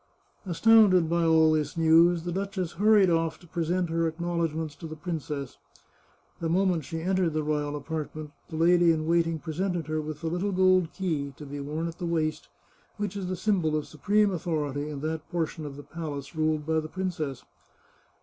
Astounded by all this news, the duchess hurried ofT to present her acknowledgments to the princess. The moment she entered the royal apartment, the lady in waiting pre sented her with the little gold key, to be worn at the waist, which is the symbol of supreme authority in that portion of the palace ruled by the princess.